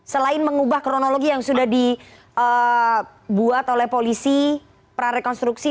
selain mengubah kronologi yang sudah dibuat oleh polisi prarekonstruksi